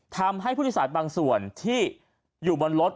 ทำให้ผู้โดยสารบางส่วนที่อยู่บนรถ